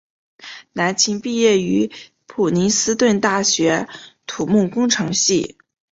蓝钦毕业于普林斯顿大学土木工程系。